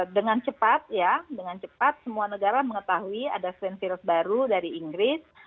dengan cepat ya dengan cepat semua negara mengetahui ada strain virus baru dari inggris